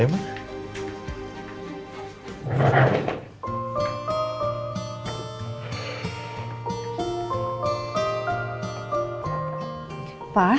bebeparkah kamu pak